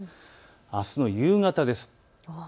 あすの夕方です。